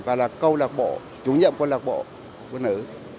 và là câu lạc bộ chủ nhiệm quân lạc bộ quân ứ